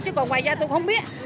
chứ còn ngoài ra tôi không biết